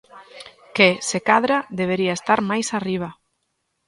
Que, se cadra, debería estar máis arriba.